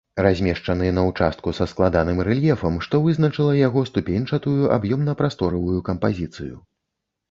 Размешчаны на ўчастку са складаным рэльефам, што вызначыла яго ступеньчатую аб'ёмна-прасторавую кампазіцыю.